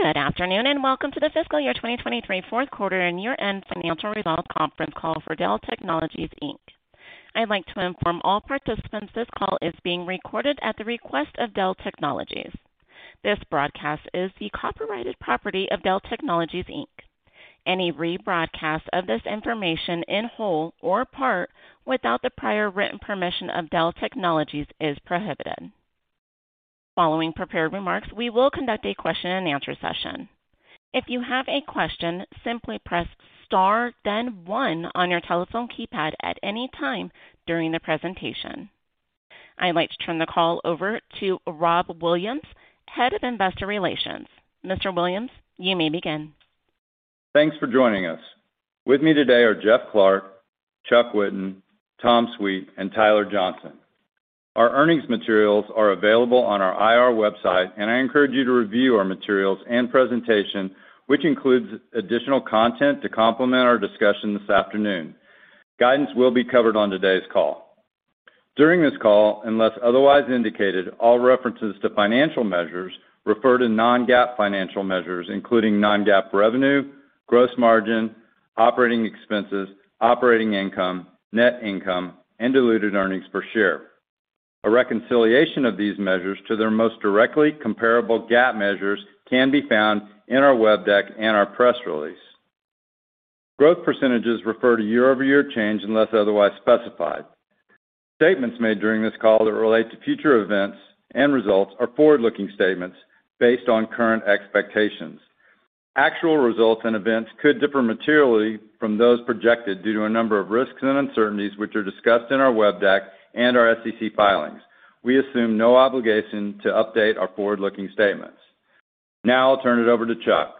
Good afternoon, and welcome to the fiscal year 2023 fourth quarter and year-end financial results conference call for Dell Technologies Inc. I'd like to inform all participants this call is being recorded at the request of Dell Technologies. This broadcast is the copyrighted property of Dell Technologies Inc. Any rebroadcast of this information in whole or part without the prior written permission of Dell Technologies is prohibited. Following prepared remarks, we will conduct a question and answer session. If you have a question, simply press star then one on your telephone keypad at any time during the presentation. I'd like to turn the call over to Rob Williams, Head of Investor Relations. Mr. Williams, you may begin. Thanks for joining us. With me today are Jeff Clarke, Chuck Whitten, Tom Sweet, and Tyler Johnson. Our earnings materials are available on our IR website, I encourage you to review our materials and presentation, which includes additional content to complement our discussion this afternoon. Guidance will be covered on today's call. During this call, unless otherwise indicated, all references to financial measures refer to non-GAAP financial measures, including non-GAAP revenue, gross margin, operating expenses, operating income, net income, and diluted earnings per share. A reconciliation of these measures to their most directly comparable GAAP measures can be found in our web deck and our press release. Growth percentages refer to year-over-year change unless otherwise specified. Statements made during this call that relate to future events and results are forward-looking statements based on current expectations. Actual results and events could differ materially from those projected due to a number of risks and uncertainties, which are discussed in our web deck and our SEC filings. We assume no obligation to update our forward-looking statements. Now I'll turn it over to Chuck.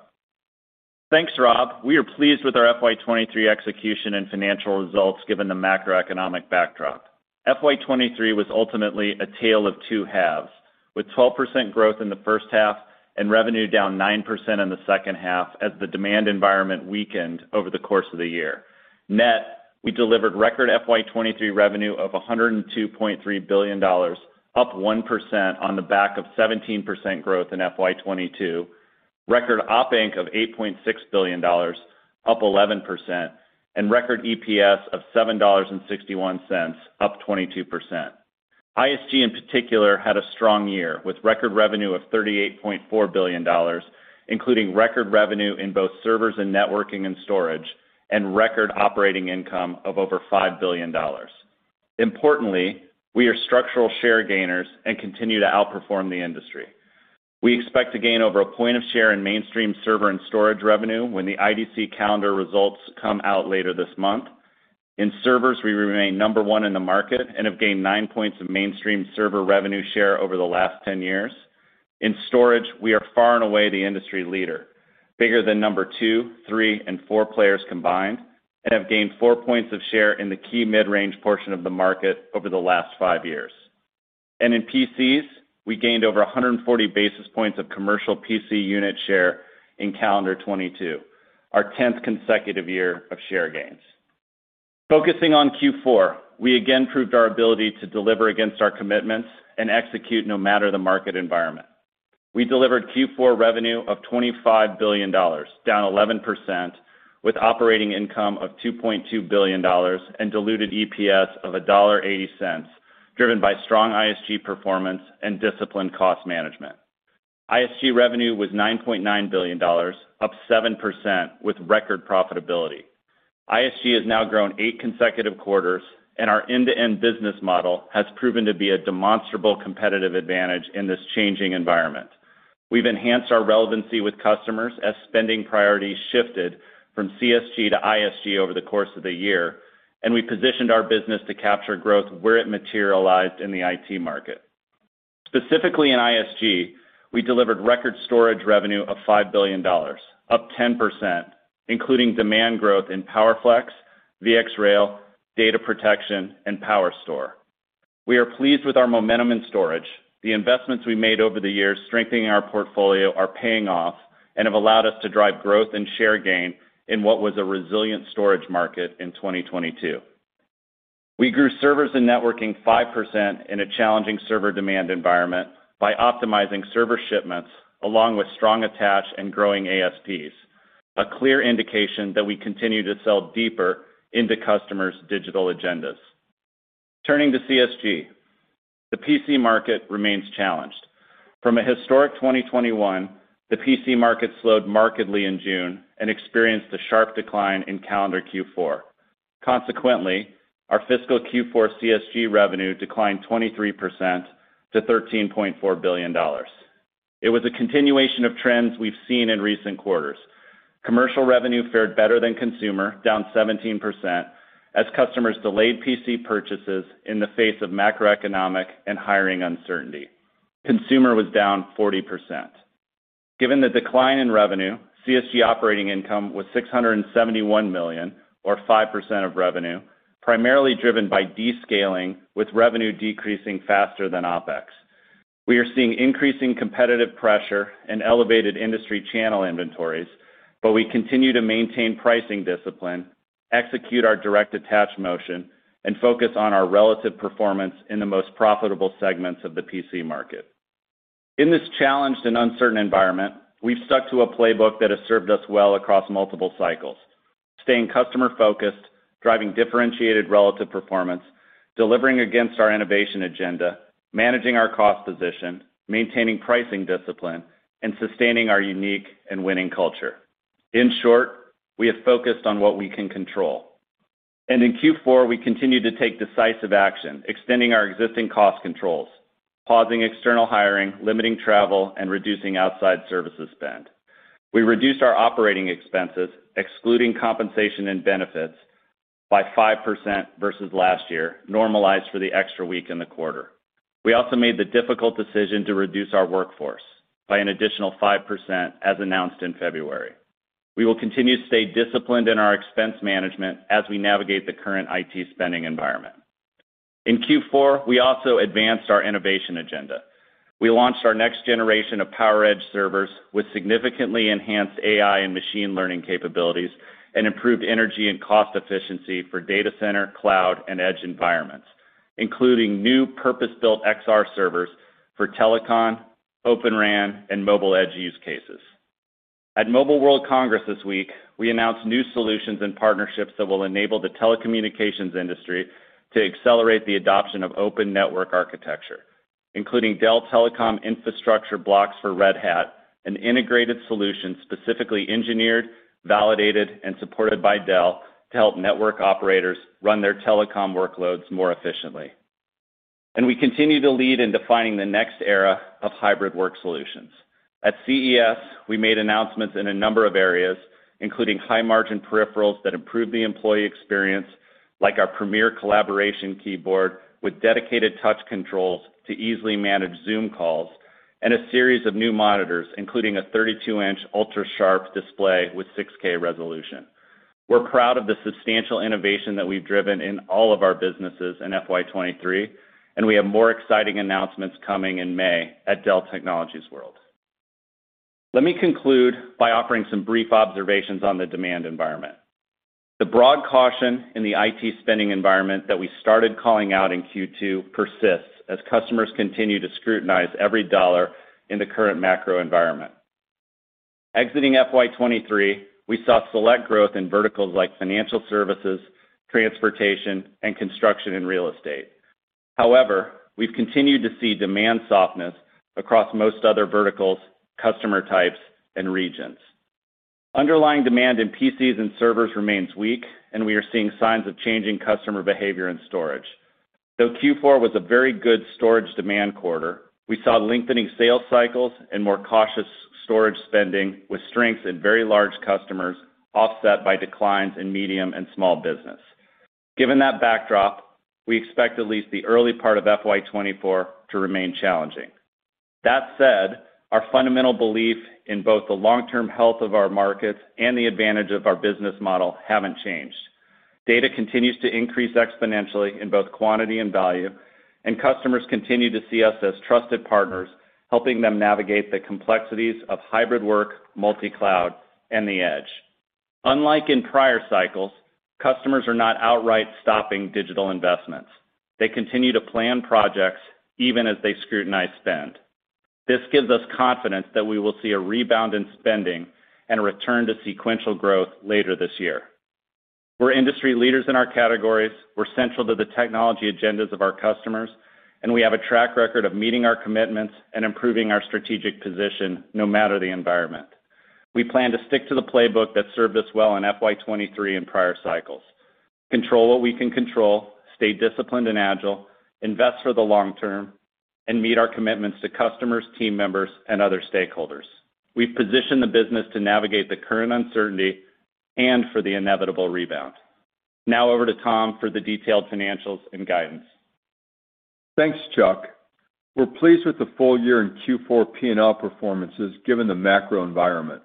Thanks, Rob. We are pleased with our FY 2023 execution and financial results given the macroeconomic backdrop. FY 2023 was ultimately a tale of two halves, with 12% growth in the first half and revenue down 9% in the second half as the demand environment weakened over the course of the year. Net, we delivered record FY 2023 revenue of $102.3 billion, up 1% on the back of 17% growth in FY 2022, record Op Inc of $8.6 billion, up 11%, and record EPS of $7.61, up 22%. ISG in particular had a strong year with record revenue of $38.4 billion, including record revenue in both servers and networking and storage, and record operating income of over $5 billion. Importantly, we are structural share gainers and continue to outperform the industry. We expect to gain over a point of share in mainstream server and storage revenue when the IDC calendar results come out later this month. In servers, we remain number 1 in the market and have gained 9 points of mainstream server revenue share over the last 10 years. In storage, we are far and away the industry leader, bigger than number 2, 3, and 4 players combined, and have gained 4 points of share in the key mid-range portion of the market over the last 5 years. In PCs, we gained over 140 basis points of commercial PC unit share in calendar 2022, our 10th consecutive year of share gains. Focusing on Q4, we again proved our ability to deliver against our commitments and execute no matter the market environment. We delivered Q4 revenue of $25 billion, down 11%, with operating income of $2.2 billion and diluted EPS of $1.80, driven by strong ISG performance and disciplined cost management. ISG revenue was $9.9 billion, up 7% with record profitability. ISG has now grown 8 consecutive quarters. Our end-to-end business model has proven to be a demonstrable competitive advantage in this changing environment. We've enhanced our relevancy with customers as spending priorities shifted from CSG to ISG over the course of the year. We positioned our business to capture growth where it materialized in the IT market. Specifically in ISG, we delivered record storage revenue of $5 billion, up 10%, including demand growth in PowerFlex, VxRail, Data Protection, and PowerStore. We are pleased with our momentum in storage. The investments we made over the years strengthening our portfolio are paying off and have allowed us to drive growth and share gain in what was a resilient storage market in 2022. We grew servers and networking 5% in a challenging server demand environment by optimizing server shipments along with strong attach and growing ASPs, a clear indication that we continue to sell deeper into customers' digital agendas. Turning to CSG, the PC market remains challenged. From a historic 2021, the PC market slowed markedly in June and experienced a sharp decline in calendar Q4. Consequently, our fiscal Q4 CSG revenue declined 23% to $13.4 billion. It was a continuation of trends we've seen in recent quarters. Commercial revenue fared better than consumer, down 17%, as customers delayed PC purchases in the face of macroeconomic and hiring uncertainty. Consumer was down 40%. Given the decline in revenue, CSG operating income was $671 million or 5% of revenue, primarily driven by descaling with revenue decreasing faster than OpEx. We are seeing increasing competitive pressure and elevated industry channel inventories, but we continue to maintain pricing discipline execute our direct attach motion, and focus on our relative performance in the most profitable segments of the PC market. In this challenged and uncertain environment, we've stuck to a playbook that has served us well across multiple cycles, staying customer-focused, driving differentiated relative performance, delivering against our innovation agenda, managing our cost position, maintaining pricing discipline, and sustaining our unique and winning culture. In short, we have focused on what we can control. In Q4, we continued to take decisive action, extending our existing cost controls, pausing external hiring, limiting travel, and reducing outside services spend. We reduced our operating expenses, excluding compensation and benefits, by 5% versus last year, normalized for the extra week in the quarter. We also made the difficult decision to reduce our workforce by an additional 5%, as announced in February. We will continue to stay disciplined in our expense management as we navigate the current IT spending environment. In Q4, we also advanced our innovation agenda. We launched our next generation of PowerEdge servers with significantly enhanced AI and machine learning capabilities and improved energy and cost efficiency for data center, cloud, and edge environments, including new purpose-built XR servers for telecom, Open RAN, and mobile edge use cases. At Mobile World Congress this week, we announced new solutions and partnerships that will enable the telecommunications industry to accelerate the adoption of open network architecture, including Dell Telecom Infrastructure Blocks for Red Hat, an integrated solution specifically engineered, validated, and supported by Dell to help network operators run their telecom workloads more efficiently. We continue to lead in defining the next era of hybrid work solutions. At CES, we made announcements in a number of areas, including high-margin peripherals that improve the employee experience, like our premier collaboration keyboard with dedicated touch controls to easily manage Zoom calls and a series of new monitors, including a 32-inch ultra-sharp display with 6K resolution. We're proud of the substantial innovation that we've driven in all of our businesses in FY 2023, and we have more exciting announcements coming in May at Dell Technologies World. Let me conclude by offering some brief observations on the demand environment. The broad caution in the IT spending environment that we started calling out in Q2 persists as customers continue to scrutinize every dollar in the current macro environment. Exiting FY 2023, we saw select growth in verticals like financial services, transportation, and construction and real estate. However, we've continued to see demand softness across most other verticals, customer types, and regions. Underlying demand in PCs and servers remains weak, and we are seeing signs of changing customer behavior and storage. Though Q4 was a very good storage demand quarter, we saw lengthening sales cycles and more cautious storage spending with strength in very large customers offset by declines in medium and small business. Given that backdrop, we expect at least the early part of FY 2024 to remain challenging. That said, our fundamental belief in both the long-term health of our markets and the advantage of our business model haven't changed. Data continues to increase exponentially in both quantity and value, and customers continue to see us as trusted partners, helping them navigate the complexities of hybrid work, multi-cloud, and the edge. Unlike in prior cycles, customers are not outright stopping digital investments. They continue to plan projects even as they scrutinize spend. This gives us confidence that we will see a rebound in spending and return to sequential growth later this year. We're industry leaders in our categories, we're central to the technology agendas of our customers, and we have a track record of meeting our commitments and improving our strategic position, no matter the environment. We plan to stick to the playbook that served us well in FY 2023 and prior cycles. Control what we can control, stay disciplined and agile, invest for the long term, and meet our commitments to customers, team members, and other stakeholders. We've positioned the business to navigate the current uncertainty and for the inevitable rebound. Now over to Tom for the detailed financials and guidance. Thanks, Chuck. We're pleased with the full year in Q4 P&L performances given the macro environment.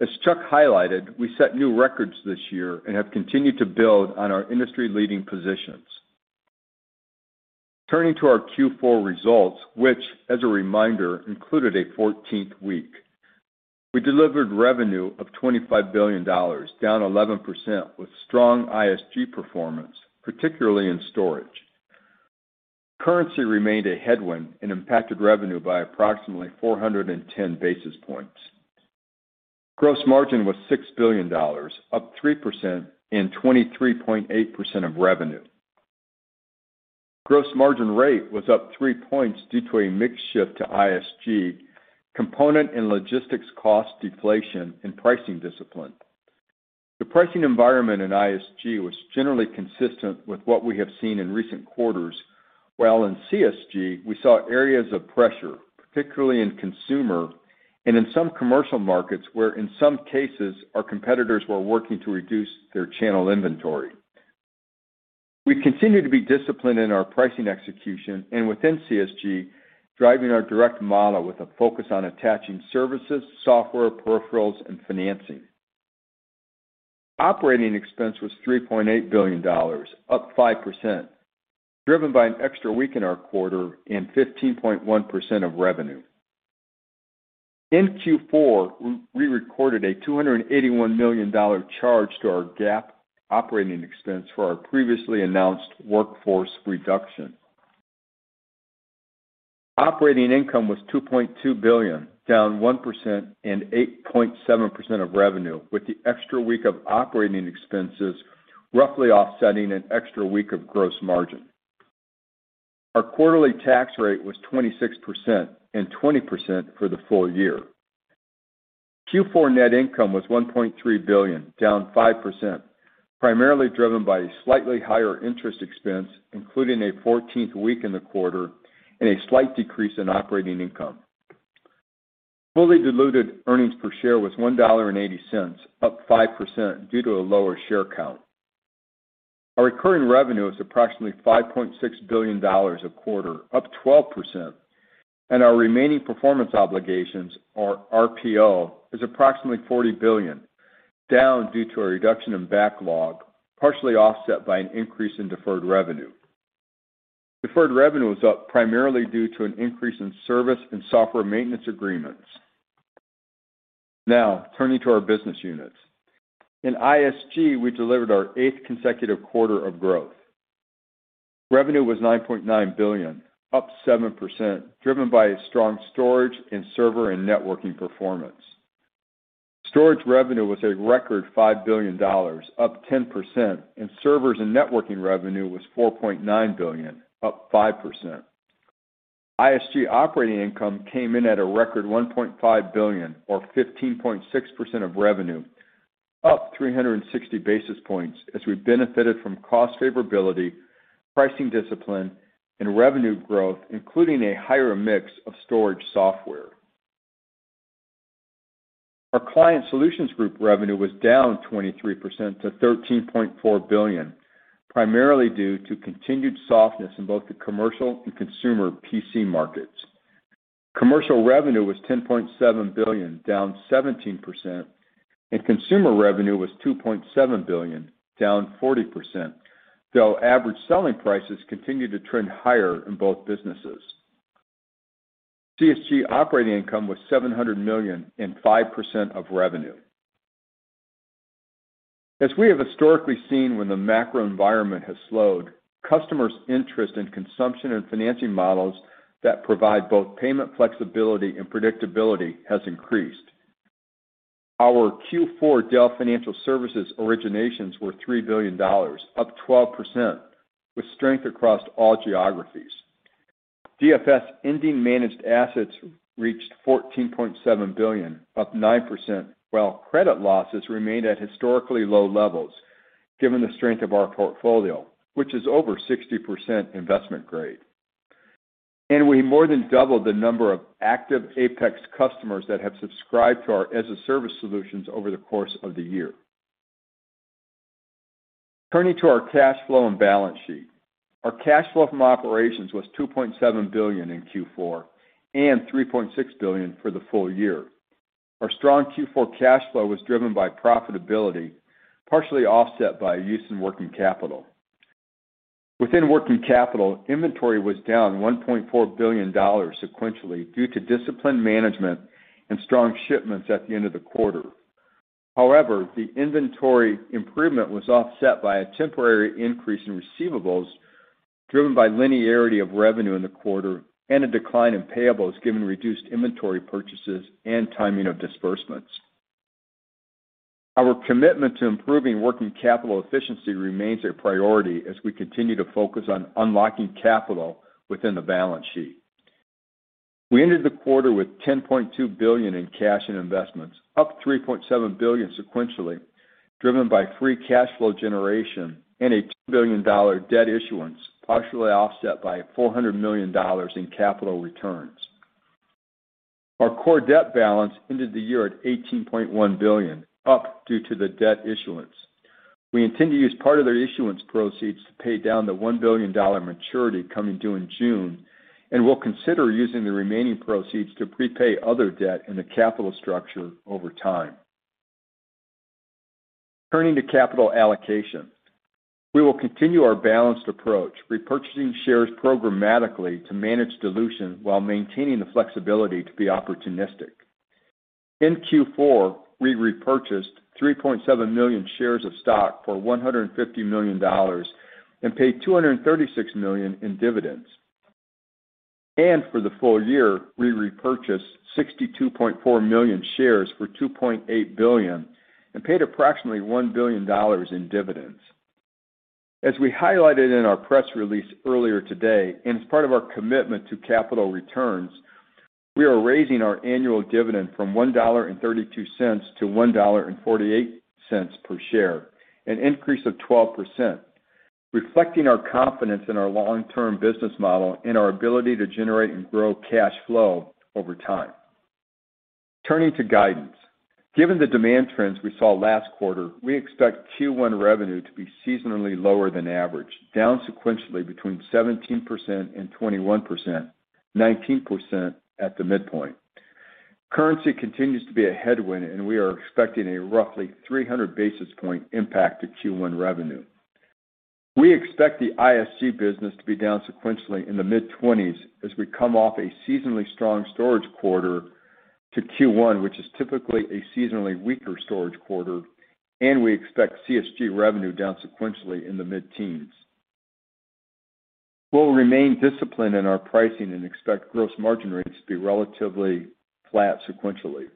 As Chuck highlighted, we set new records this year and have continued to build on our industry-leading positions. Turning to our Q4 results, which, as a reminder, included a 14th week. We delivered revenue of $25 billion, down 11% with strong ISG performance, particularly in storage. Currency remained a headwind and impacted revenue by approximately 410 basis points. Gross margin was $6 billion, up 3% and 23.8% of revenue. Gross margin rate was up 3 points due to a mix shift to ISG, component and logistics cost deflation and pricing discipline. The pricing environment in ISG was generally consistent with what we have seen in recent quarters, while in CSG, we saw areas of pressure, particularly in consumer and in some commercial markets where in some cases our competitors were working to reduce their channel inventory. We continue to be disciplined in our pricing execution and within CSG, driving our direct model with a focus on attaching services, software, peripherals, and financing. Operating expense was $3.8 billion, up 5%, driven by an extra week in our quarter and 15.1% of revenue. In Q4, we recorded a $281 million charge to our GAAP Operating expense for our previously announced workforce reduction. Operating income was $2.2 billion, down 1% and 8.7% of revenue, with the extra week of operating expenses roughly offsetting an extra week of gross margin. Our quarterly tax rate was 26% and 20% for the full year. Q4 net income was $1.3 billion, down 5%, primarily driven by slightly higher interest expense, including a 14th week in the quarter and a slight decrease in operating income. Fully diluted earnings per share was $1.80, up 5% due to a lower share count. Our recurring revenue was approximately $5.6 billion a quarter, up 12%, and our remaining performance obligations, or RPO, is approximately $40 billion, down due to a reduction in backlog, partially offset by an increase in deferred revenue. Deferred revenue was up primarily due to an increase in service and software maintenance agreements. Turning to our business units. In ISG, we delivered our eighth consecutive quarter of growth. Revenue was $9.9 billion, up 7%, driven by strong storage and server and networking performance. Storage revenue was a record $5 billion, up 10%, and servers and networking revenue was $4.9 billion, up 5%. ISG operating income came in at a record $1.5 billion or 15.6% of revenue, up 360 basis points as we benefited from cost favorability, pricing discipline, and revenue growth, including a higher mix of storage software. Our Client Solutions Group revenue was down 23% to $13.4 billion, primarily due to continued softness in both the commercial and consumer PC markets. Commercial revenue was $10.7 billion, down 17%, and consumer revenue was $2.7 billion, down 40%, though average selling prices continued to trend higher in both businesses. CSG operating income was $700 million and 5% of revenue. As we have historically seen when the macro environment has slowed, customers' interest in consumption and financing models that provide both payment flexibility and predictability has increased. Our Q4 Dell Financial Services originations were $3 billion, up 12%, with strength across all geographies. DFS ending managed assets reached $14.7 billion, up 9%, while credit losses remained at historically low levels given the strength of our portfolio, which is over 60% investment grade. We more than doubled the number of active APEX customers that have subscribed to our as-a-Service solutions over the course of the year. Turning to our cash flow and balance sheet. Our cash flow from operations was $2.7 billion in Q4 and $3.6 billion for the full year. Our strong Q4 cash flow was driven by profitability, partially offset by use in working capital. Within working capital, inventory was down $1.4 billion sequentially due to disciplined management and strong shipments at the end of the quarter. The inventory improvement was offset by a temporary increase in receivables, driven by linearity of revenue in the quarter and a decline in payables given reduced inventory purchases and timing of disbursements. Our commitment to improving working capital efficiency remains a priority as we continue to focus on unlocking capital within the balance sheet. We ended the quarter with $10.2 billion in cash and investments, up $3.7 billion sequentially, driven by free cash flow generation and a $2 billion debt issuance, partially offset by $400 million in capital returns. Our core debt balance ended the year at $18.1 billion, up due to the debt issuance. We intend to use part of the issuance proceeds to pay down the $1 billion maturity coming due in June. We'll consider using the remaining proceeds to prepay other debt in the capital structure over time. Turning to capital allocation. We will continue our balanced approach, repurchasing shares programmatically to manage dilution while maintaining the flexibility to be opportunistic. In Q4, we repurchased 3.7 million shares of stock for $150 million and paid $236 million in dividends. For the full year, we repurchased 62.4 million shares for $2.8 billion and paid approximately $1 billion in dividends. As we highlighted in our press release earlier today, and as part of our commitment to capital returns, we are raising our annual dividend from $1.32 to $1.48 per share, an increase of 12%, reflecting our confidence in our long-term business model and our ability to generate and grow cash flow over time. Turning to guidance. Given the demand trends we saw last quarter, we expect Q1 revenue to be seasonally lower than average, down sequentially between 17% and 21%, 19% at the midpoint. Currency continues to be a headwind, and we are expecting a roughly 300 basis point impact to Q1 revenue. We expect the ISG business to be down sequentially in the mid-20s as we come off a seasonally strong storage quarter to Q1, which is typically a seasonally weaker storage quarter, and we expect CSG revenue down sequentially in the mid-teens. We'll remain disciplined in our pricing and expect gross margin rates to be relatively flat sequentially.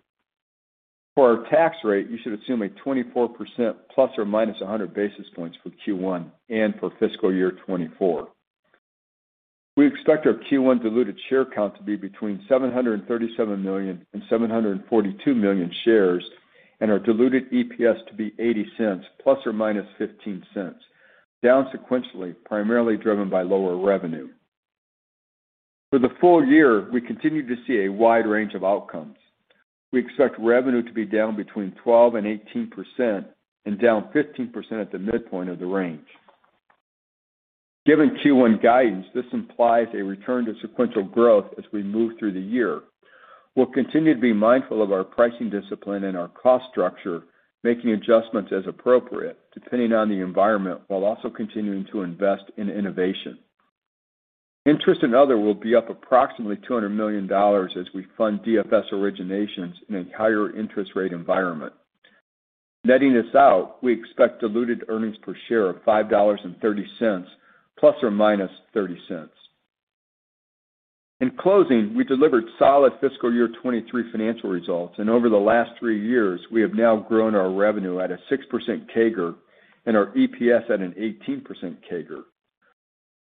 For our tax rate, you should assumea 24% ±100 basis points for Q1 and for fiscal year 2024. We expect our Q1 diluted share count to be between 737 million and 742 million shares, and our diluted EPS to be $0.80 ±$0.15, down sequentially, primarily driven by lower revenue. For the full year, we continue to see a wide range of outcomes. We expect revenue to be down between 12% and 18% and down 15% at the midpoint of the range. Given Q1 guidance, this implies a return to sequential growth as we move through the year. We'll continue to be mindful of our pricing discipline and our cost structure, making adjustments as appropriate depending on the environment, while also continuing to invest in innovation. Interest and other will be up approximately $200 million as we fund DFS originations in a higher interest rate environment. Netting this out, we expect diluted earnings per share of $5.30 ±$0.30. In closing, we delivered solid fiscal year 2023 financial results. Over the last three years, we have now grown our revenue at a 6% CAGR and our EPS at an 18% CAGR.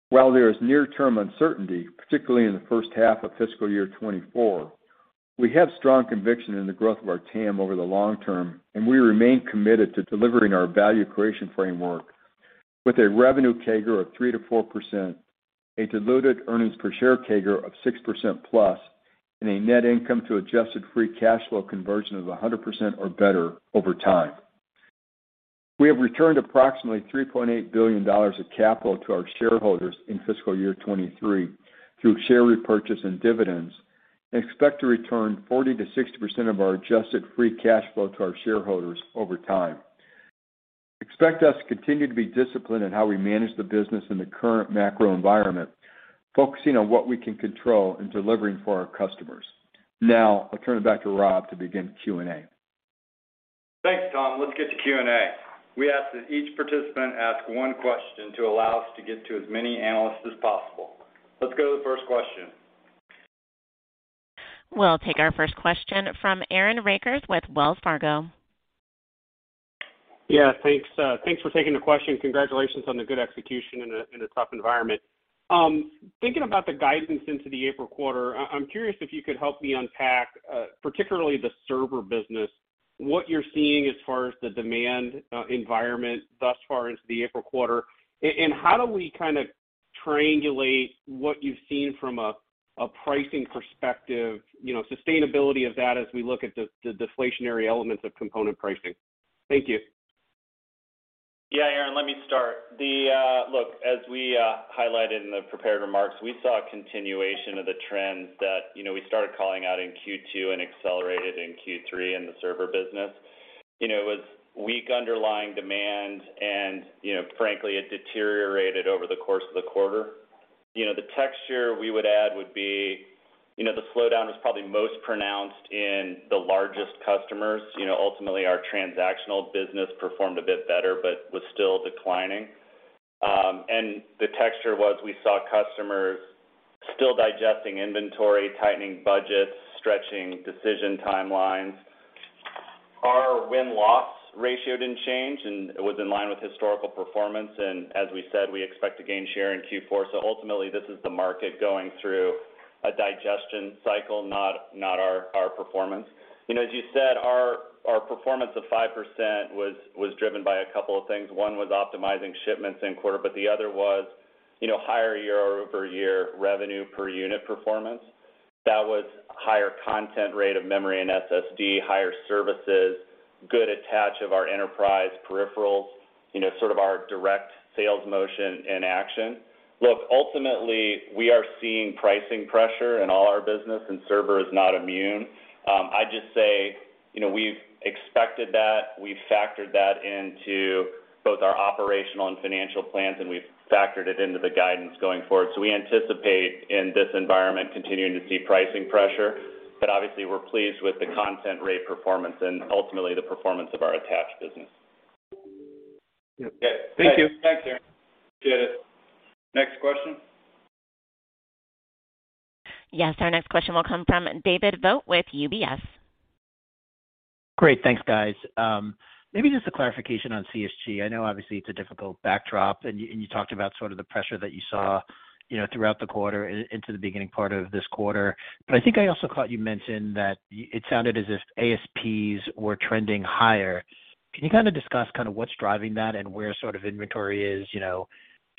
While there is near-term uncertainty, particularly in the first half of fiscal year 2024, we have strong conviction in the growth of our TAM over the long term. We remain committed to delivering our value creation framework with a revenue CAGR of 3%-4%, a diluted earnings per share CAGR of 6%+, and a net income to adjusted free cash flow conversion of 100% or better over time. We have returned approximately $3.8 billion of capital to our shareholders in fiscal year 2023 through share repurchase and dividends and expect to return 40%-60% of our adjusted free cash flow to our shareholders over time. Expect us to continue to be disciplined in how we manage the business in the current macro environment, focusing on what we can control and delivering for our customers. Now I'll turn it back to Rob to begin Q&A. Thanks, Tom. Let's get to Q&A. We ask that each participant ask one question to allow us to get to as many analysts as possible. Let's go to the first question. We'll take our first question from Aaron Rakers with Wells Fargo. Yeah, thanks. Thanks for taking the question. Congratulations on the good execution in a tough environment. Thinking about the guidance into the April quarter, I'm curious if you could help me unpack, particularly the server business, what you're seeing as far as the demand environment thus far into the April quarter, and how do we kinda triangulate what you've seen from a pricing perspective, you know, sustainability of that as we look at the deflationary elements of component pricing? Thank you. Aaron Rakers, let me start. The look, as we highlighted in the prepared remarks, we saw a continuation of the trends that, you know, we started calling out in Q2 and accelerated in Q3 in the server business. You know, it was weak underlying demand and, you know, frankly, it deteriorated over the course of the quarter. You know, the texture we would add would be, you know, the slowdown was probably most pronounced in the largest customers. You know, ultimately, our transactional business performed a bit better, but was still declining. The texture was we saw customers still digesting inventory, tightening budgets, stretching decision timelines. Our win-loss ratio didn't change, and it was in line with historical performance. As we said, we expect to gain share in Q4. Ultimately, this is the market going through a digestion cycle, not our performance. You know, as you said, our performance of 5% was driven by a couple of things. One was optimizing shipments in quarter, but the other was, you know, higher year-over-year revenue per unit performance. That was higher content rate of memory and SSD, higher services, good attach of our enterprise peripherals, you know, sort of our direct sales motion in action. Look, ultimately, we are seeing pricing pressure in all our business, and server is not immune. I'd just say, you know, we've expected that. We've factored that into both our operational and financial plans, and we've factored it into the guidance going forward. We anticipate in this environment continuing to see pricing pressure. Obviously, we're pleased with the content rate performance and ultimately the performance of our attached business. Yeah. Thank you. Thanks, Aaron. Appreciate it. Next question. Yes, our next question will come from David Vogt with UBS. Great. Thanks, guys. Maybe just a clarification on CSG. I know obviously it's a difficult backdrop, and you, and you talked about sort of the pressure that you saw, you know, throughout the quarter into the beginning part of this quarter. I think I also caught you mention that it sounded as if ASPs were trending higher. Can you kinda discuss kinda what's driving that and where sort of inventory is, you know,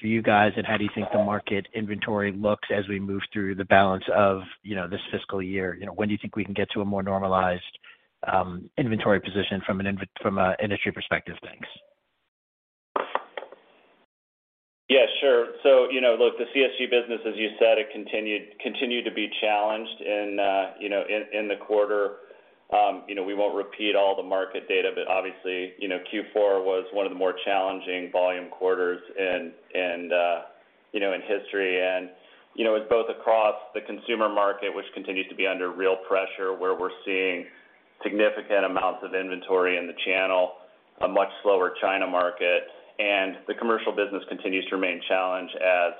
for you guys? And how do you think the market inventory looks as we move through the balance of, you know, this fiscal year? You know, when do you think we can get to a more normalized inventory position from a industry perspective? Thanks. Yeah, sure. You know, look, the CSG business, as you said, it continued to be challenged in, you know, in the quarter. You know, we won't repeat all the market data, but obviously, you know, Q4 was one of the more challenging volume quarters and, you know, in history. You know, it's both across the consumer market, which continues to be under real pressure, where we're seeing significant amounts of inventory in the channel, a much slower China market, and the commercial business continues to remain challenged as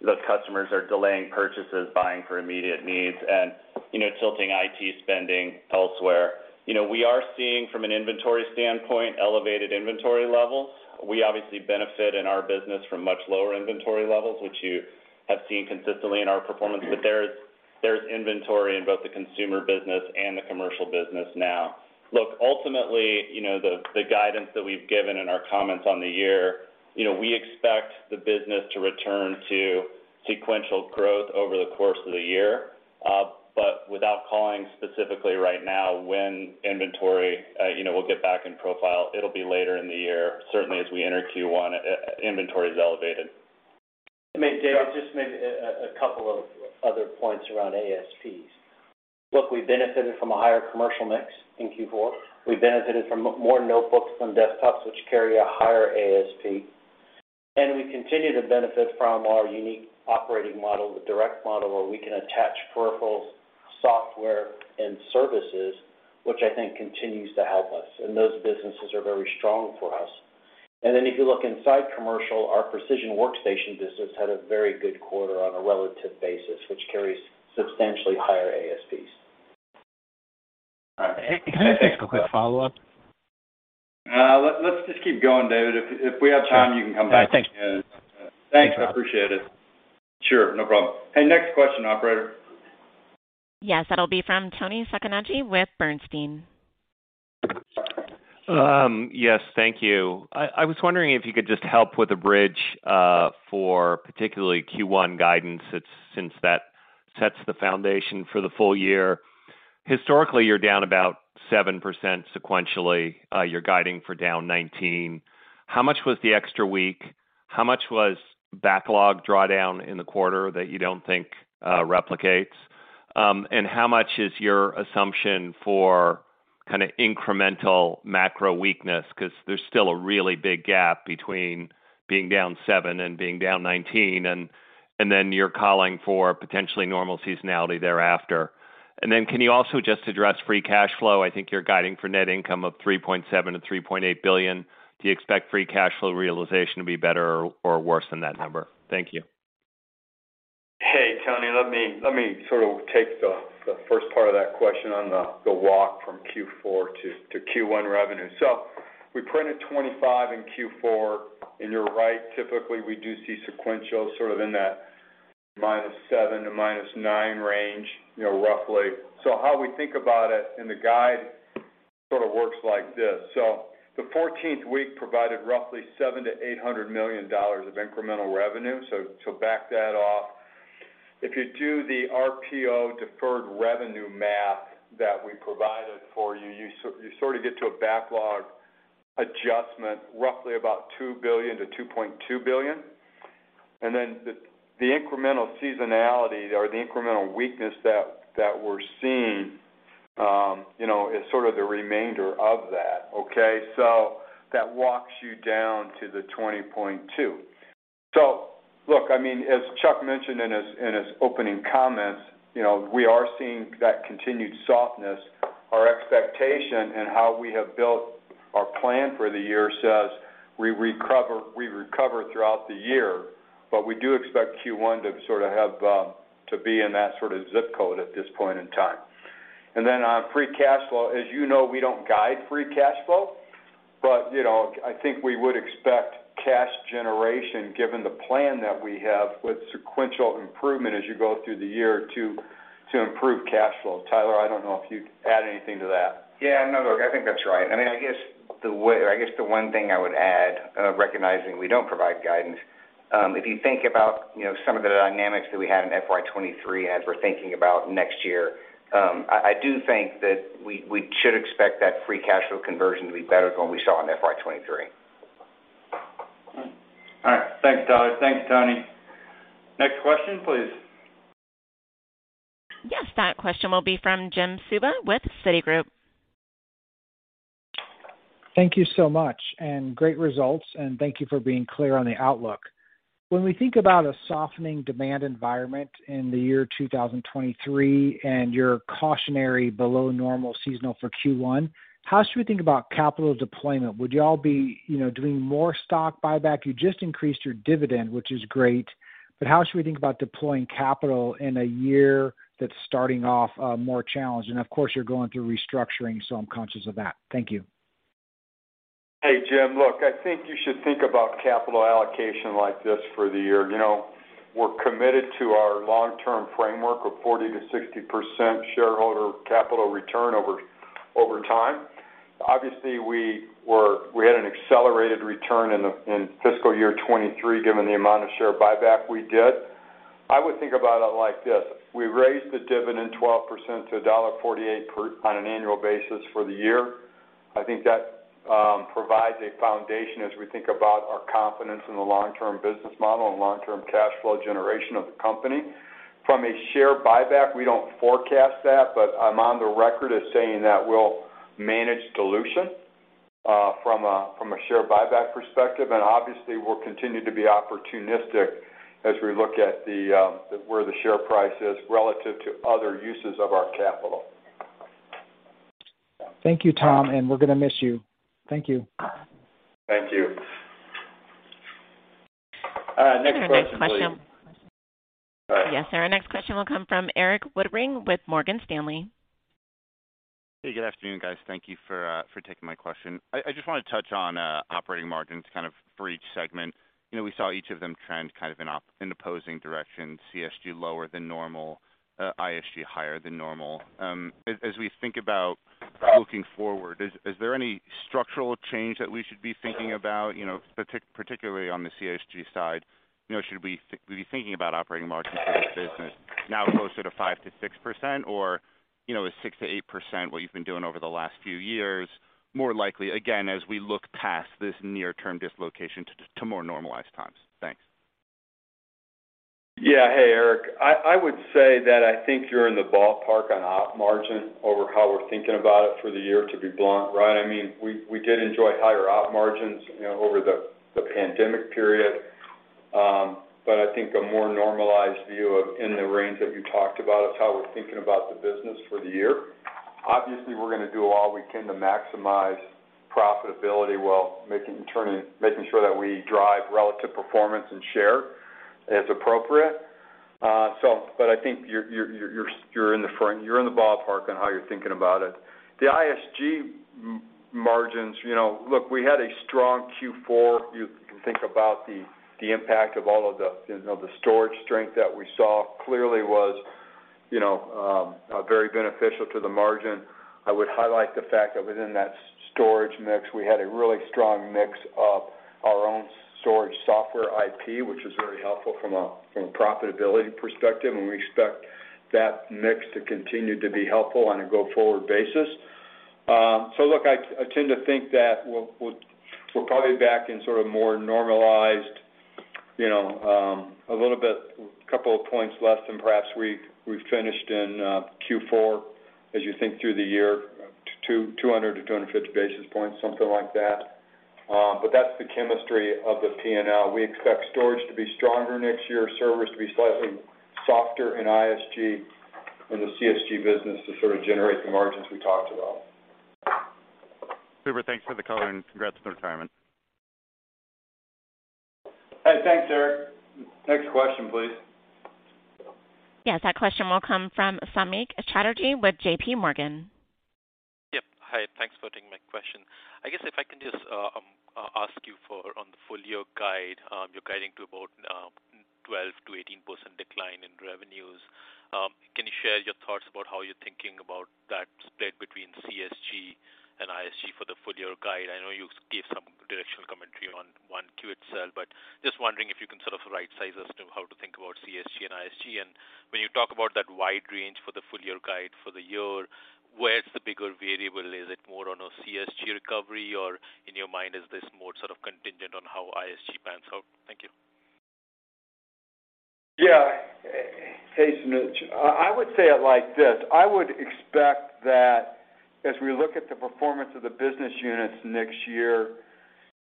the customers are delaying purchases, buying for immediate needs and, you know, tilting IT spending elsewhere. You know, we are seeing from an inventory standpoint, elevated inventory levels. We obviously benefit in our business from much lower inventory levels, which you have seen consistently in our performance. There is inventory in both the consumer business and the commercial business now. Look, ultimately, you know, the guidance that we've given in our comments on the year, you know, we expect the business to return to sequential growth over the course of the year. Without calling specifically right now when inventory, you know, will get back in profile, it'll be later in the year. Certainly, as we enter Q1, inventory is elevated. Maybe, Dave, just maybe a couple of other points around ASPs. Look, we benefited from a higher commercial mix in Q4. We benefited from more notebooks than desktops, which carry a higher ASP. We continue to benefit from our unique operating model, the direct model, where we can attach peripherals, software, and services, which I think continues to help us, and those businesses are very strong for us. Then if you look inside commercial, our precision workstation business had a very good quarter on a relative basis, which carries substantially higher ASPs. All right. Hey, can I just ask a quick follow-up? Let's just keep going, David. If, if we have time, you can come back. All right. Thank you. Thanks. I appreciate it. Sure. No problem. Hey, next question, operator. Yes, that'll be from Toni Sacconaghi with Bernstein. Yes, thank you. I was wondering if you could just help with a bridge for particularly Q1 guidance since that sets the foundation for the full year. Historically, you're down about 7% sequentially. You're guiding for down 19%. How much was the extra week? How much was backlog drawdown in the quarter that you don't think replicates? How much is your assumption for kinda incremental macro weakness? Because there's still a really big gap between being down 7% and being down 19%, then you're calling for potentially normal seasonality thereafter. Can you also just address free cash flow? I think you're guiding for net income of $3.7 billion-$3.8 billion. Do you expect free cash flow realization to be better or worse than that number? Thank you. Hey, Toni. Let me sort of take the first part of that question on the walk from Q4 to Q1 revenue. We printed $25 in Q4, and you're right, typically we do see sequential sort of in that -7% to -9% range, you know, roughly. How we think about it in the guide sort of works like this. The 14th week provided roughly $700 million-$800 million of incremental revenue. To back that off, if you do the RPO deferred revenue math that we provided for you sort of get to a backlog adjustment roughly about $2 billion-$2.2 billion. Then the incremental seasonality or the incremental weakness that we're seeing, you know, is sort of the remainder of that, okay? That walks you down to 20.2. Look, I mean, as Chuck mentioned in his opening comments, you know, we are seeing that continued softness. Our expectation and how we have built our plan for the year says we recover throughout the year. We do expect Q1 to sort of have to be in that sort of ZIP Code at this point in time. Then on free cash flow, as you know, we don't guide free cash flow. You know, I think we would expect cash generation, given the plan that we have with sequential improvement as you go through the year, to improve cash flow. Tyler, I don't know if you'd add anything to that? Yeah, no, look, I think that's right. I mean, I guess the one thing I would add, recognizing we don't provide guidance, if you think about, you know, some of the dynamics that we had in FY 23 as we're thinking about next year, I do think that we should expect that free cash flow conversion to be better than what we saw in FY 2023. All right. Thanks, Tyler. Thanks, Toni. Next question, please. Yes, that question will be from Jim Suva with Citigroup. Thank you so much. Great results, and thank you for being clear on the outlook. When we think about a softening demand environment in 2023 and your cautionary below normal seasonal for Q1, how should we think about capital deployment? Would y'all be, you know, doing more stock buyback? You just increased your dividend, which is great. How should we think about deploying capital in a year that's starting off more challenged? Of course, you're going through restructuring, so I'm conscious of that. Thank you. Hey, Jim. Look, I think you should think about capital allocation like this for the year. You know, we're committed to our long-term framework of 40%-60% shareholder capital return over time. Obviously, we had an accelerated return in fiscal year 2023, given the amount of share buyback we did. I would think about it like this: We raised the dividend 12% to $1.48 on an annual basis for the year. I think that provides a foundation as we think about our confidence in the long-term business model and long-term cash flow generation of the company. From a share buyback, we don't forecast that, but I'm on the record as saying that we'll manage dilution from a share buyback perspective. Obviously, we'll continue to be opportunistic as we look at the where the share price is relative to other uses of our capital. Thank you, Tom. We're gonna miss you. Thank you. Thank you. Next question, please. Our next question. All right. Yes, sir. Our next question will come from Erik Woodring with Morgan Stanley. Hey, good afternoon, guys. Thank you for taking my question. I just wanna touch on operating margins kind of for each segment. You know, we saw each of them trend kind of in opposing directions, CSG lower than normal, ISG higher than normal. As we think about looking forward, is there any structural change that we should be thinking about, you know, particularly on the CSG side? You know, should we be thinking about operating margins for this business now closer to 5%-6% or, you know, is 6%-8% what you've been doing over the last few years, more likely, again, as we look past this near-term dislocation to more normalized times? Thanks. Yeah. Hey, Erik. I would say that I think you're in the ballpark on op margin over how we're thinking about it for the year, to be blunt, right? I mean, we did enjoy higher op margins, you know, over the pandemic period. I think a more normalized view of in the range that you talked about is how we're thinking about the business for the year. Obviously, we're gonna do all we can to maximize profitability while making sure that we drive relative performance and share as appropriate. I think you're in the ballpark on how you're thinking about it. The ISG margins, you know, look, we had a strong Q4. You can think about the impact of all of the, you know, the storage strength that we saw clearly was, you know, very beneficial to the margin. I would highlight the fact that within that storage mix, we had a really strong mix of our own storage software IP, which is very helpful from a, from a profitability perspective, and we expect that mix to continue to be helpful on a go-forward basis. Look, I tend to think that we're probably back in sort of more normalized, you know, a little bit couple of points less than perhaps we finished in Q4 as you think through the year, 200-250 basis points, something like that. That's the chemistry of the P&L. We expect storage to be stronger next year, servers to be slightly softer in ISG and the CSG business to sort of generate the margins we talked about. Super. Thanks for the color and congrats on retirement. Hey, thanks, Erik. Next question, please. Yes, that question will come from Samik Chatterjee with J.P. Morgan. Yep. Hi. Thanks for taking my question. I guess if I can just ask you for on the full-year guide, you're guiding to about 12%-18% decline in revenues. Can you share your thoughts about how you're thinking about that split between CSG and ISG for the full-year guide? I know you gave some directional commentary on 1Q itself, but just wondering if you can sort of right size as to how to think about CSG and ISG. When you talk about that wide range for the full-year guide for the year, where's the bigger variable? Is it more on a CSG recovery or in your mind is this more sort of contingent on how ISG pans out? Thank you. Yeah. Hey, Samik. I would say it like this. I would expect that as we look at the performance of the business units next year,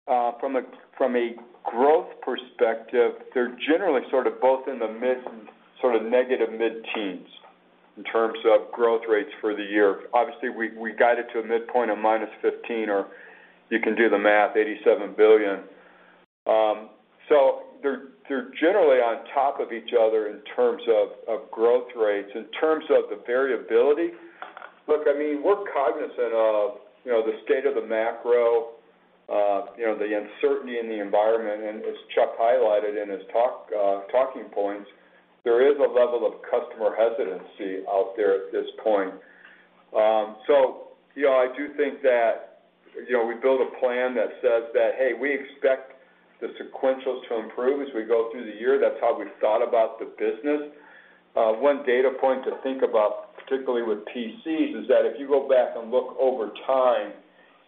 from a growth perspective, they're generally sort of both in the negative mid-teens in terms of growth rates for the year. Obviously, we guided to a midpoint of -15% or you can do the math, $87 billion. They're generally on top of each other in terms of growth rates. In terms of the variability, look, I mean, we're cognizant of, you know, the state of the macro, you know, the uncertainty in the environment, and as Chuck highlighted in his talk, talking points, there is a level of customer hesitancy out there at this point. You know, I do think that, you know, we build a plan that says that, "Hey, we expect the sequentials to improve as we go through the year." That's how we've thought about the business. One data point to think about, particularly with PCs, is that if you go back and look over time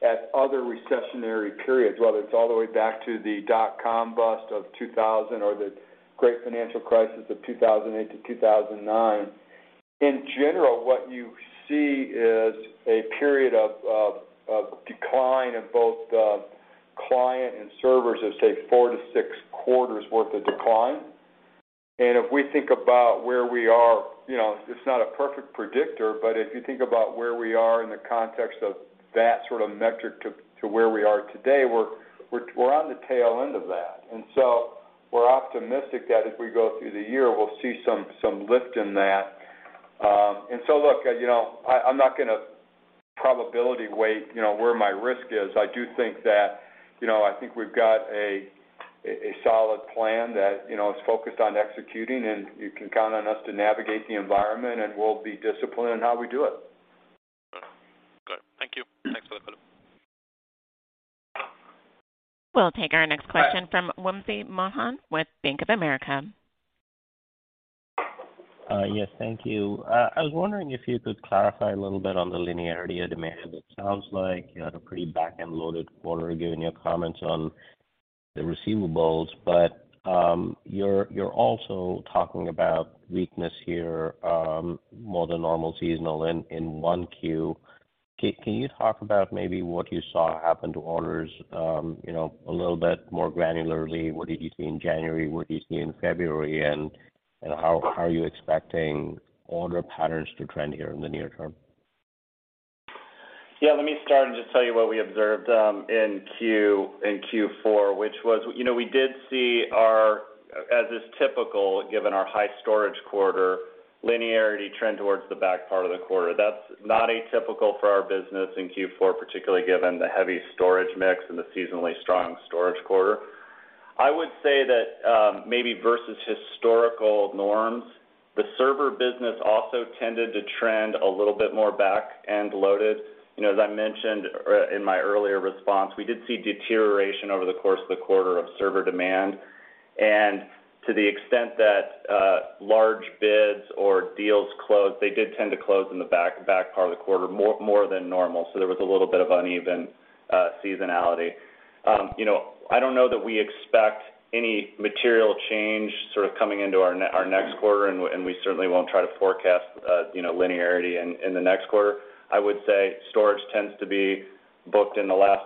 at other recessionary periods, whether it's all the way back to the dot-com bust of 2000 or the great financial crisis of 2008-2009, in general, what you see is a period of decline in both the client and servers of, say, four to six quarters worth of decline. If we think about where we are, you know, it's not a perfect predictor, but if you think about where we are in the context of that sort of metric to where we are today, we're on the tail end of that. We're optimistic that if we go through the year, we'll see some lift in that. Look, you know, I'm not gonna probability weight, you know, where my risk is. I do think that, you know, I think we've got a solid plan that, you know, is focused on executing, and you can count on us to navigate the environment, and we'll be disciplined in how we do it. Good. Thank you. Thanks for the color. We'll take our next question from Wamsi Mohan with Bank of America. Yes, thank you. I was wondering if you could clarify a little bit on the linearity of demand. It sounds like you had a pretty back-end loaded quarter given your comments on the receivables, you're also talking about weakness here, more than normal seasonal in 1Q. Can you talk about maybe what you saw happen to orders, you know, a little bit more granularly? What did you see in January? What did you see in February? How are you expecting order patterns to trend here in the near term? Yeah. Let me start and just tell you what we observed, in Q4, which was, you know, we did see our, as is typical, given our high storage quarter linearity trend towards the back part of the quarter. That's not atypical for our business in Q4, particularly given the heavy storage mix and the seasonally strong storage quarter. I would say that, maybe versus historical norms, the server business also tended to trend a little bit more back and loaded. You know, as I mentioned in my earlier response, we did see deterioration over the course of the quarter of server demand. To the extent that, large bids or deals closed, they did tend to close in the back part of the quarter more than normal. There was a little bit of uneven seasonality. You know, I don't know that we expect any material change sort of coming into our next quarter. We certainly won't try to forecast, you know, linearity in the next quarter. I would say storage tends to be booked in the last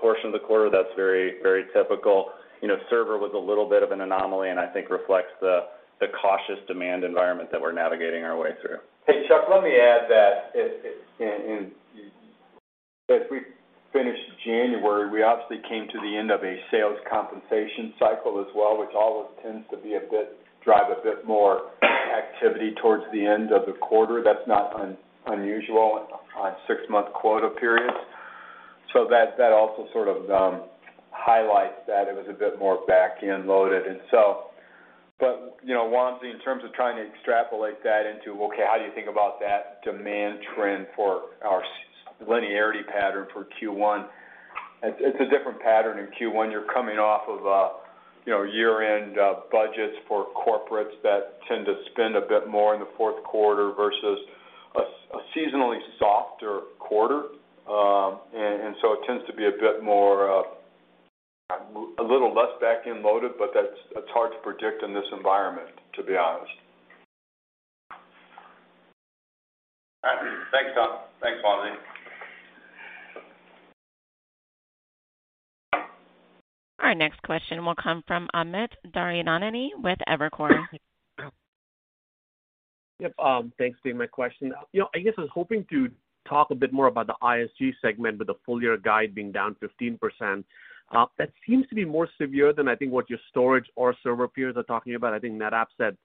portion of the quarter. That's very, very typical. You know, server was a little bit of an anomaly, and I think reflects the cautious demand environment that we're navigating our way through. Hey, Chuck, let me add that if and as we finished January, we obviously came to the end of a sales compensation cycle as well, which always tends to be a bit drive a bit more activity towards the end of the quarter. That's not unusual on 6-month quota periods. That, that also sort of highlights that it was a bit more back-end loaded. You know, Wamsi, in terms of trying to extrapolate that into, okay, how do you think about that demand trend for our linearity pattern for Q1? It's a different pattern in Q1. You're coming off of a, you know, year-end budgets for corporates that tend to spend a bit more in the fourth quarter versus a seasonally softer quarter. It tends to be a bit more, a little less back-end loaded, but that's, it's hard to predict in this environment, to be honest. Thanks, Tom. Thanks, Wamsi. Our next question will come from Amit Daryanani with Evercore. Yep. Thanks. Taking my question. You know, I guess I was hoping to talk a bit more about the ISG segment with the full year guide being down 15%. That seems to be more severe than I think what your storage or server peers are talking about. I think NetApp said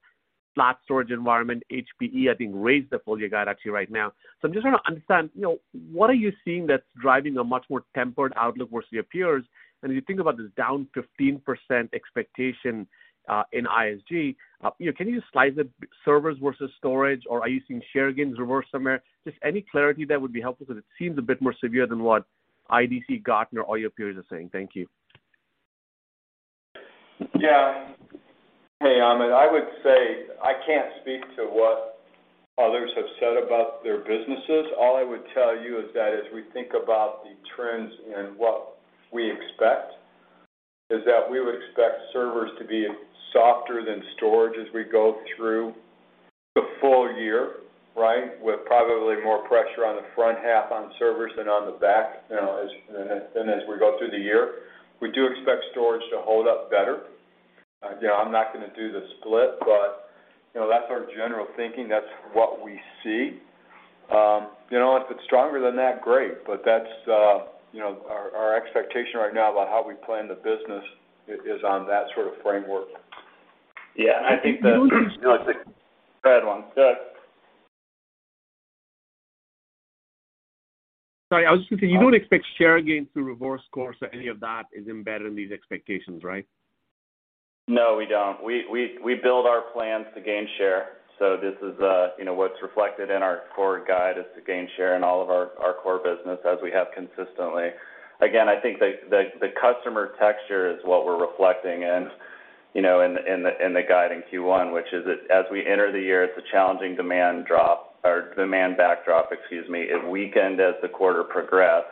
flat storage environment. HPE, I think, raised the full year guide actually right now. I'm just trying to understand, you know, what are you seeing that's driving a much more tempered outlook versus your peers? As you think about this down 15% expectation, in ISG, you know, can you just slice it servers versus storage, or are you seeing share gains reverse somewhere? Just any clarity there would be helpful because it seems a bit more severe than what IDC, Gartner, all your peers are saying. Thank you. Yeah. Hey, Amit. I would say I can't speak to what others have said about their businesses. All I would tell you is that as we think about the trends and what we expect, is that we would expect servers to be softer than storage as we go through the full year, right. With probably more pressure on the front half on servers than on the back, you know, as, then as we go through the year. We do expect storage to hold up better. You know, I'm not gonna do the split, but, you know, that's our general thinking. That's what we see. You know, if it's stronger than that, great. That's, you know, our expectation right now about how we plan the business is on that sort of framework. Yeah. I think that you know, it's a bad one. Go ahead. Sorry. I was just gonna say, you don't expect share gains to reverse course or any of that is embedded in these expectations, right? No, we don't. We build our plans to gain share. This is, you know, what's reflected in our core guide is to gain share in all of our core business as we have consistently. Again, I think the customer texture is what we're reflecting in, you know, in the guide in Q1, which is that as we enter the year, it's a challenging demand backdrop, excuse me. It weakened as the quarter progressed.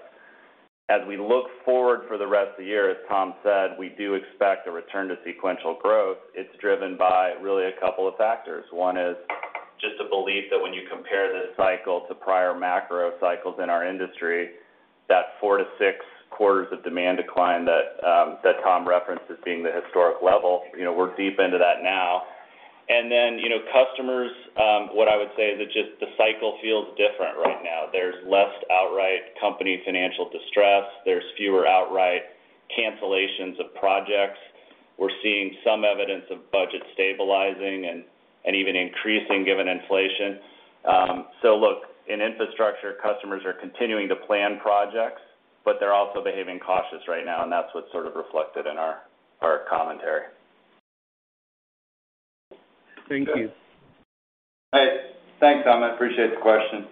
As we look forward for the rest of the year, as Tom said, we do expect a return to sequential growth. It's driven by really a couple of factors. One is just the belief that when you compare this cycle to prior macro cycles in our industry, that four to six quarters of demand decline that Tom referenced as being the historic level, you know, we're deep into that now. Then, you know, customers, what I would say is that just the cycle feels different right now. There's less outright company financial distress. There's fewer outright cancellations of projects. We're seeing some evidence of budget stabilizing and even increasing given inflation. So look, in infrastructure, customers are continuing to plan projects, but they're also behaving cautious right now, and that's what's sort of reflected in our commentary. Thank you. Hey, thanks, Amit. I appreciate the question.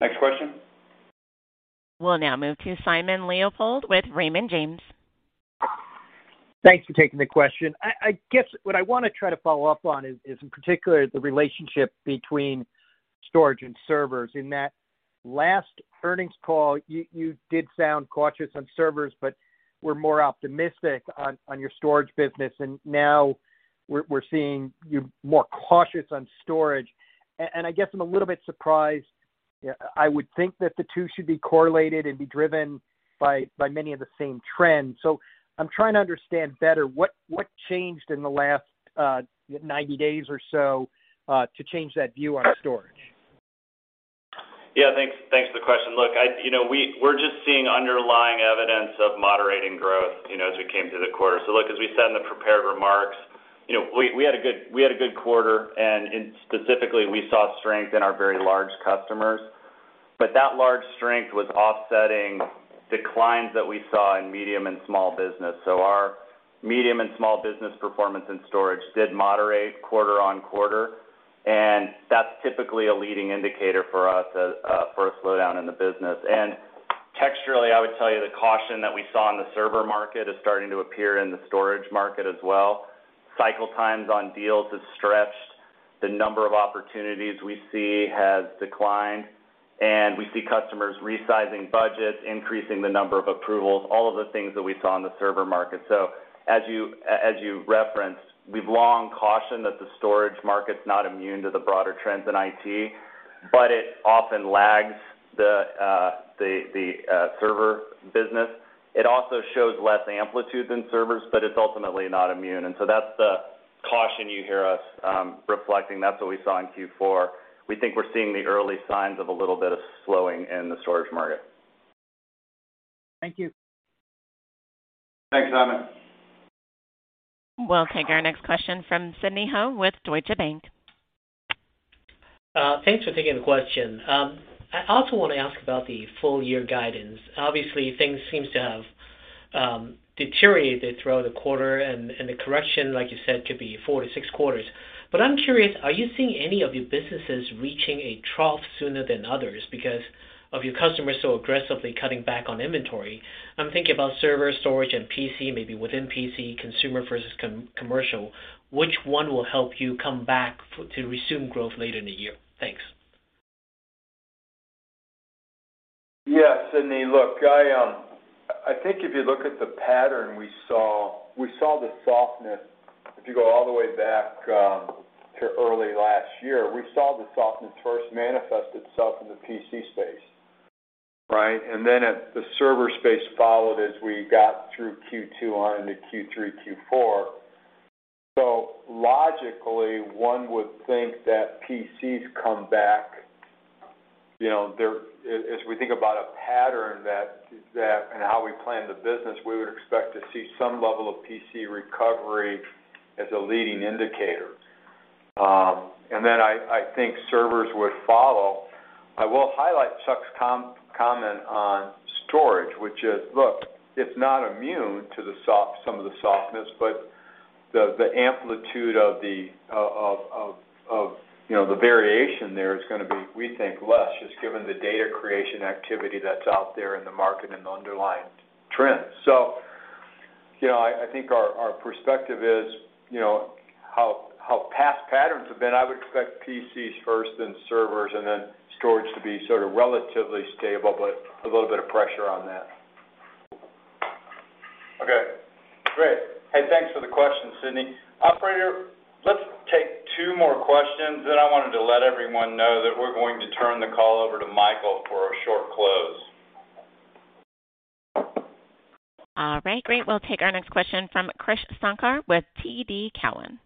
Next question. We'll now move to Simon Leopold with Raymond James. Thanks for taking the question. I guess what I wanna try to follow up on is in particular the relationship between storage and servers. In that last earnings call, you did sound cautious on servers, but were more optimistic on your storage business. Now we're seeing you're more cautious on storage. I guess I'm a little bit surprised. I would think that the two should be correlated and be driven by many of the same trends. I'm trying to understand better what changed in the last 90 days or so to change that view on storage? Yeah. Thanks, thanks for the question. Look, you know, we're just seeing underlying evidence of moderating growth, you know, as we came through the quarter. Look, as we said in the prepared remarks, you know, we had a good quarter, and specifically, we saw strength in our very large customers. That large strength was offsetting declines that we saw in medium and small business. Our medium and small business performance in storage did moderate quarter-on-quarter, and that's typically a leading indicator for us for a slowdown in the business. Textually, I would tell you the caution that we saw in the server market is starting to appear in the storage market as well. Cycle times on deals have stretched. The number of opportunities we see has declined, and we see customers resizing budgets, increasing the number of approvals, all of the things that we saw in the server market. As you referenced, we've long cautioned that the storage market's not immune to the broader trends in IT, but it often lags the server business. It also shows less amplitude than servers, but it's ultimately not immune. That's the caution you hear us reflecting. That's what we saw in Q4. We think we're seeing the early signs of a little bit of slowing in the storage market. Thank you. Thanks, Simon. We'll take our next question from Sidney Ho with Deutsche Bank. Thanks for taking the question. I also wanna ask about the full year guidance. Obviously, things seems to have deteriorated throughout the quarter and the correction, like you said, could be 4 to 6 quarters. I'm curious, are you seeing any of your businesses reaching a trough sooner than others because of your customers so aggressively cutting back on inventory? I'm thinking about server, storage, and PC, maybe within PC, consumer versus commercial. Which one will help you come back to resume growth later in the year? Thanks. Yeah. Sidney, look, I think if you look at the pattern we saw, we saw the softness. If you go all the way back, to early last year, we saw the softness first manifest itself in the PC space, right? Then at the server space followed as we got through Q2 on into Q3, Q4. Logically, one would think that PCs come back. You know, as we think about a pattern that and how we plan the business, we would expect to see some level of PC recovery as a leading indicator. Then I think servers would follow. I will highlight Chuck's comment on storage, which is, look, it's not immune to some of the softness, the amplitude of, you know, the variation there is gonna be, we think, less, just given the data creation activity that's out there in the market and the underlying trends. You know, I think our perspective is, you know, how past patterns have been, I would expect PCs first then servers and then storage to be sort of relatively stable, but a little bit of pressure on that. Okay. Great. Hey, thanks for the question, Sidney. Operator, let's take 2 more questions, then I wanted to let everyone know that we're going to turn the call over to Michael for a short close. All right. Great. We'll take our next question from Krish Sankar with TD Cowen.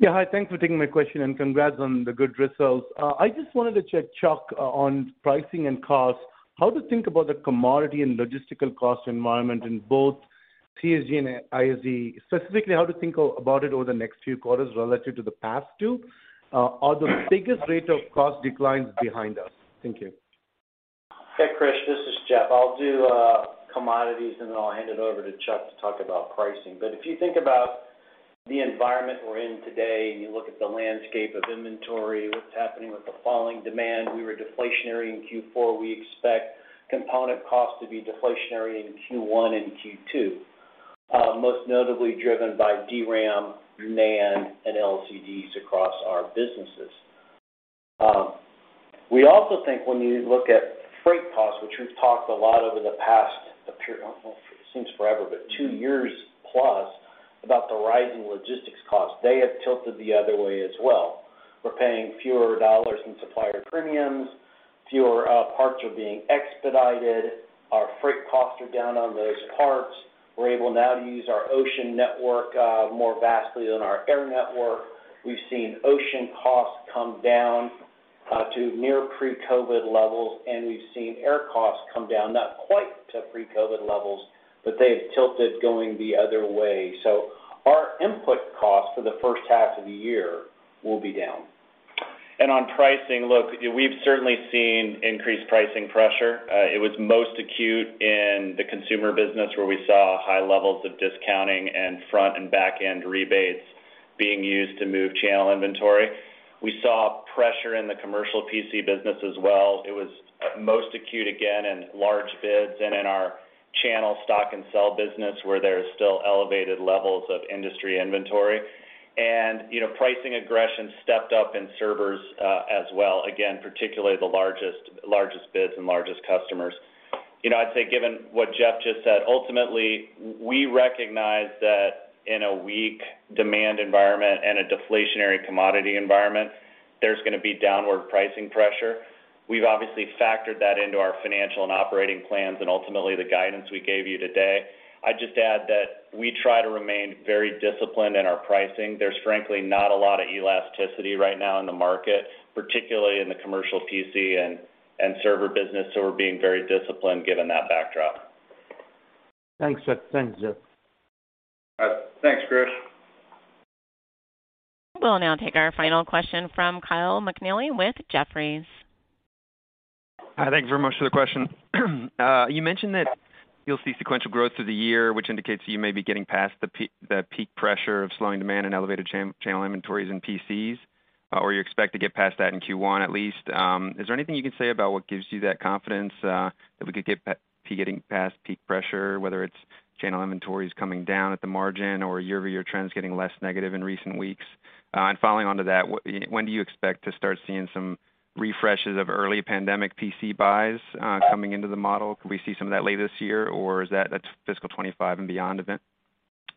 Yeah. Hi. Thanks for taking my question. Congrats on the good results. I just wanted to check, Chuck, on pricing and cost. How to think about the commodity and logistical cost environment in both CSG and ISG, specifically how to think about it over the next few quarters relative to the past two? Are the biggest rate of cost declines behind us? Thank you. Hey, Krish. This is Jeff. I'll do commodities, and then I'll hand it over to Chuck to talk about pricing. If you think about the environment we're in today and you look at the landscape of inventory, what's happening with the falling demand, we were deflationary in Q4. We expect component costs to be deflationary in Q1 and Q2, most notably driven by DRAM, NAND, and LCDs across our businesses. We also think when you look at freight costs, which we've talked a lot over the past I don't know if it seems forever, but 2 years+, about the rising logistics costs. They have tilted the other way as well. We're paying fewer dollars in supplier premiums, fewer parts are being expedited. Our freight costs are down on those parts. We're able now to use our ocean network, more vastly than our air network. We've seen ocean costs come down to near pre-COVID levels, and we've seen air costs come down, not quite to pre-COVID levels, but they have tilted going the other way. Our input costs for the first half of the year will be down. On pricing, look, we've certainly seen increased pricing pressure. It was most acute in the consumer business, where we saw high levels of discounting and front and back-end rebates being used to move channel inventory. We saw pressure in the commercial PC business as well. It was most acute, again, in large bids and in our channel stock and sell business, where there is still elevated levels of industry inventory. You know, pricing aggression stepped up in servers as well, again, particularly the largest bids and largest customers. You know, I'd say given what Jeff just said, ultimately we recognize that in a weak demand environment and a deflationary commodity environment, there's gonna be downward pricing pressure. We've obviously factored that into our financial and operating plans and ultimately the guidance we gave you today. I'd just add that we try to remain very disciplined in our pricing. There's frankly not a lot of elasticity right now in the market, particularly in the commercial PC and server business. We're being very disciplined given that backdrop. Thanks, Chuck. Thanks, Jeff. Thanks, Krish. We'll now take our final question from Kyle McNealy with Jefferies. Hi, thank you very much for the question. You mentioned that you'll see sequential growth through the year, which indicates you may be getting past the peak pressure of slowing demand and elevated channel inventories in PCs, or you expect to get past that in Q1 at least. Is there anything you can say about what gives you that confidence, if we could get getting past peak pressure, whether it's channel inventories coming down at the margin or year-over-year trends getting less negative in recent weeks? And following on to that, when do you expect to start seeing some refreshes of early pandemic PC buys, coming into the model? Could we see some of that later this year, or is that's fiscal 2025 and beyond event?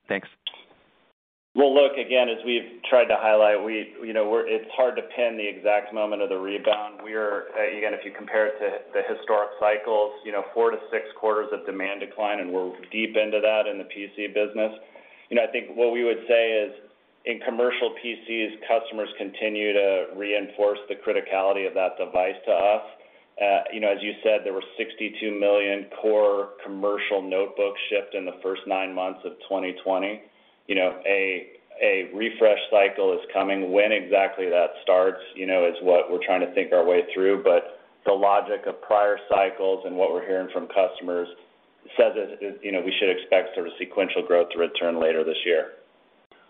Thanks. Well, look, again, as we've tried to highlight, we, you know, it's hard to pin the exact moment of the rebound. We are, again, if you compare it to the historic cycles, you know, four to six quarters of demand decline, and we're deep into that in the PC business. You know, I think what we would say is in commercial PCs, customers continue to reinforce the criticality of that device to us. You know, as you said, there were 62 million core commercial notebooks shipped in the first nine months of 2020. You know, a refresh cycle is coming. When exactly that starts, you know, is what we're trying to think our way through. The logic of prior cycles and what we're hearing from customers says that, you know, we should expect sort of sequential growth to return later this year.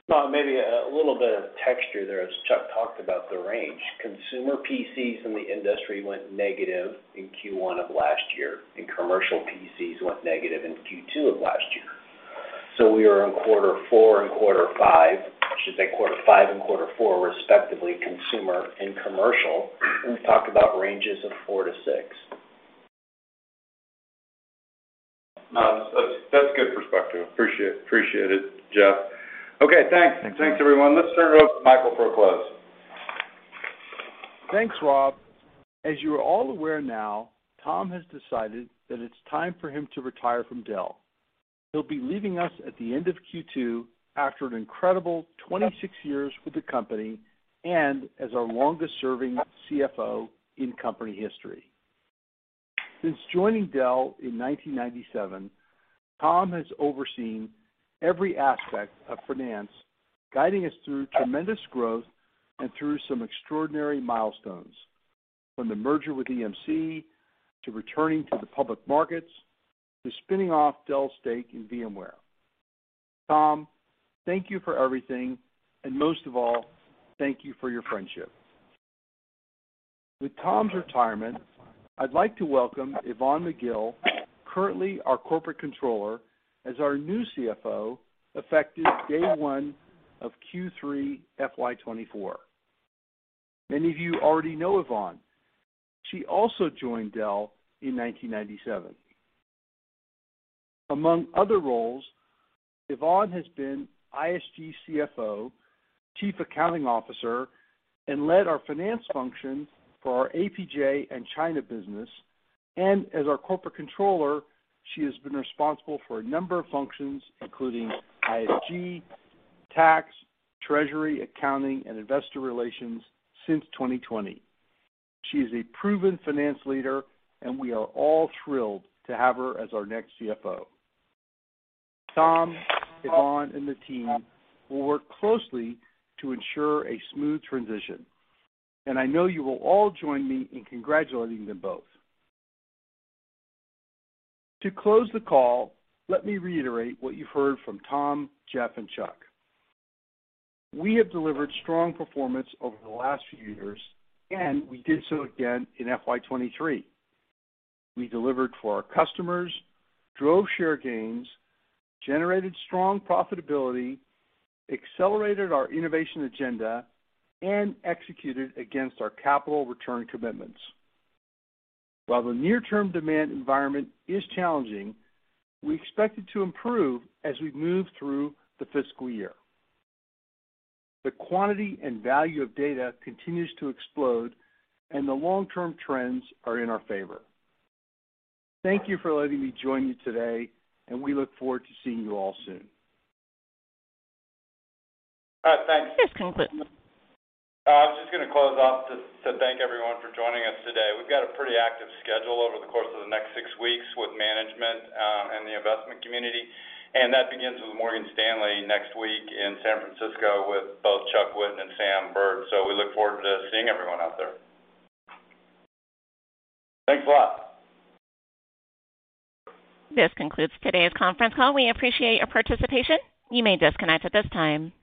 Well, maybe a little bit of texture there, as Chuck talked about the range. Consumer PCs in the industry went negative in Q1 of last year, and commercial PCs went negative in Q2 of last year. We are in quarter four and quarter five, should say quarter five and quarter four respectively, consumer and commercial, and we've talked about ranges of four to six. No, that's good perspective. Appreciate it, Jeff. Okay, thanks. Thanks. Thanks, everyone. Let's turn it over to Michael for a close. Thanks, Rob. As you are all aware now, Tom has decided that it's time for him to retire from Dell. He'll be leaving us at the end of Q2 after an incredible 26 years with the company and as our longest-serving CFO in company history. Since joining Dell in 1997, Tom has overseen every aspect of finance, guiding us through tremendous growth and through some extraordinary milestones, from the merger with EMC to returning to the public markets to spinning off Dell's stake in VMware. Tom, thank you for everything, and most of all, thank you for your friendship. With Tom's retirement, I'd like to welcome Yvonne McGill, currently our corporate controller, as our new CFO, effective day one of Q3 FY 2024. Many of you already know Yvonne. She also joined Dell in 1997. Among other roles, Yvonne has been ISG CFO, Chief Accounting Officer, and led our finance function for our APJ and China business. As our Corporate Controller, she has been responsible for a number of functions, including ISG, tax, treasury, accounting, and investor relations since 2020. She is a proven finance leader, and we are all thrilled to have her as our next CFO. Tom, Yvonne, and the team will work closely to ensure a smooth transition, and I know you will all join me in congratulating them both. To close the call, let me reiterate what you've heard from Tom, Jeff, and Chuck. We have delivered strong performance over the last few years, and we did so again in FY 2023. We delivered for our customers, drove share gains, generated strong profitability, accelerated our innovation agenda, and executed against our capital return commitments. While the near-term demand environment is challenging, we expect it to improve as we move through the fiscal year. The quantity and value of data continues to explode, and the long-term trends are in our favor. Thank you for letting me join you today, and we look forward to seeing you all soon. All right. Thanks. This concludes. I was just gonna close off to thank everyone for joining us today. We've got a pretty active schedule over the course of the next 6 weeks with management and the investment community. That begins with Morgan Stanley next week in San Francisco with both Chuck Whitten and Sam Burd. We look forward to seeing everyone out there. Thanks a lot. This concludes today's conference call. We appreciate your participation. You may disconnect at this time.